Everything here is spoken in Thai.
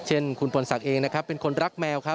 และก็มีการกินยาละลายริ่มเลือดแล้วก็ยาละลายขายมันมาเลยตลอดครับ